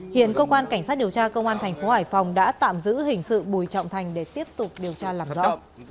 hiện cơ quan cảnh sát điều tra công an thành phố hải phòng đã tạm giữ hình sự bùi trọng thành để tiếp tục điều tra làm rõ